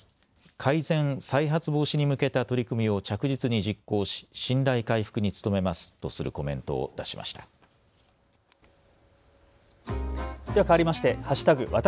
改善・再発防止に向けた取り組みを着実に実行し信頼回復に努めますとするコメントを出しました。